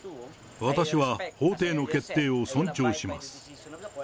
私は法廷の決定を尊重します。